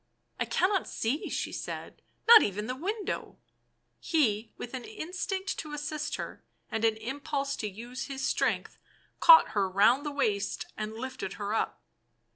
" I cannot see," she said —" not even the window " He, with an instinct to assist her, and an impulse to use his strength, caught her round the waist and lifted her up.